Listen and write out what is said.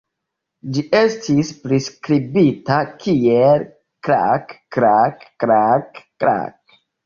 Ĝi estis priskribita kiel "kraak-kraak-kraak-kraak".